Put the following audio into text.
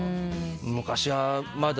昔は。